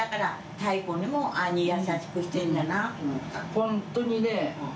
本当にね。